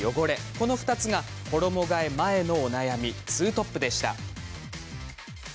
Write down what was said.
この２つが衣がえ前のお悩みツートップでした。